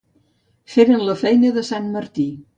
Feren la feina de sant Martí.